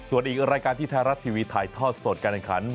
ส่วนอีกรายการที่ไทยรัฐทีวีถ่ายทอดสดการแข่งขัน